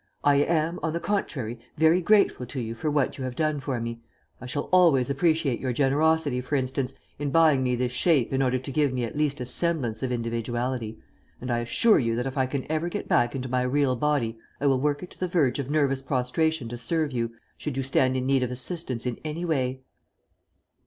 "I am, on the contrary, very grateful to you for what you have done for me. I shall always appreciate your generosity, for instance, in buying me this shape in order to give me at least a semblance of individuality, and I assure you that if I can ever get back into my real body, I will work it to the verge of nervous prostration to serve you, should you stand in need of assistance in any way."